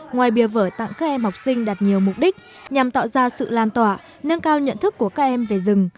ngoài bia vở tặng các em học sinh đạt nhiều mục đích nhằm tạo ra sự lan tỏa nâng cao nhận thức của các em về rừng